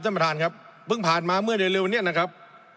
ท่านประธานครับเพิ่งผ่านมาเมื่อเร็วนี้นะครับ